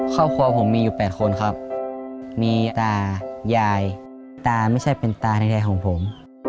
ครอบครัวผมมีอยู่๘คนครับมีตายายตาไม่ใช่เป็นตาใดของผม